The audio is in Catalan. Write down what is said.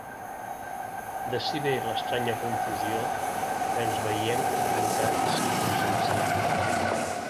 D'ací ve l'estranya confusió que ens veiem obligats a presenciar.